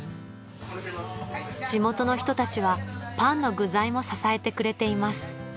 地元の人たちはパンの具材も支えてくれています